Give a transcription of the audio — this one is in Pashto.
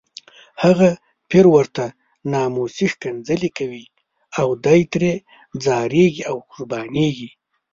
هغه پیر ورته ناموسي ښکنځلې کوي او دی ترې ځاریږي او قربانیږي.